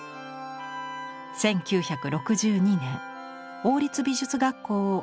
１９６２年王立美術学校を首席で卒業。